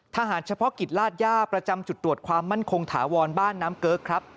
เฉพาะกิจลาดย่าประจำจุดตรวจความมั่นคงถาวรบ้านน้ำเกิ๊กครับ